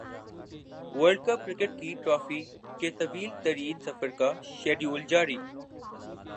world cup cricket کی trophy کے طویل ترین سفر کا شیڈول جاری